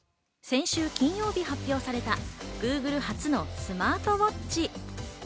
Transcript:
先週金曜日発表されたＧｏｏｇｌｅ初のスマートウォッチ。